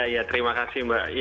ya terima kasih mbak